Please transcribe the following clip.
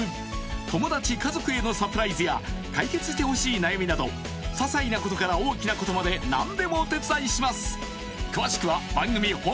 友達家族へのサプライズや解決してほしい悩みなどささいなことから大きなことまで何でもお手伝いします